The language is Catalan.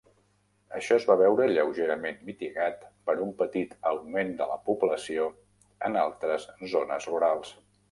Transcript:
Això es va veure lleugerament mitigat per un petit augment de la població en altres zones rurals.